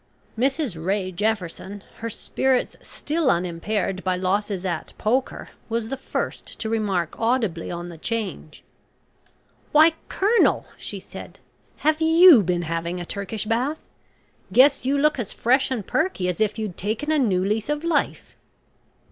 Mrs Ray Jefferson, her spirits still unimpaired by losses at "poker," was the first to remark audibly on the change. "Why, Colonel!" she said. "Have you been having a Turkish Bath? Guess you look as fresh and perky as if you'd taken a new lease of life."